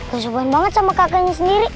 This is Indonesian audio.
kesuburan banget sama kakaknya sendiri